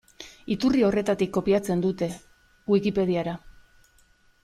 Iturri horretatik kopiatzen dute Wikipediara.